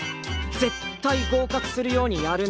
絶対合格するようにやるんだぞ。